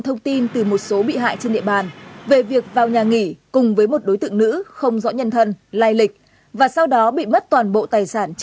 đối tượng một mực không thừa nhận hành vi của mình